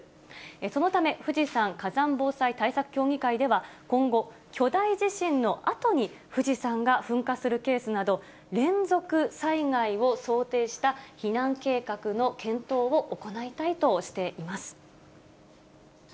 そのため、富士山火山防災対策協議会では、今後、巨大地震のあとに富士山が噴火するケースなど、連続災害を想定した、避難計画の検討を行いたいとしています。